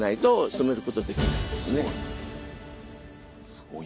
すごい。